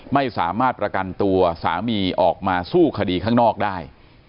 ไม่สามารถประกันตัวสามีออกมาสู้คดีข้างนอกได้